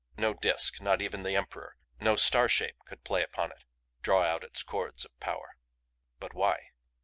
No Disk not even the Emperor, no Star shape could play on it, draw out its chords of power. But why?